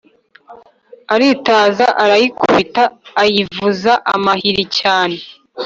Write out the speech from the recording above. aritaza, arayikubita, ayivuza amahiri cyane